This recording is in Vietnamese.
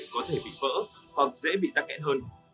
có thể bị vỡ hoặc dễ bị tăng kẽn hơn